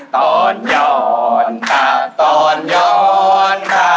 ตอนย้อนค่ะตอนย้อนค่ะ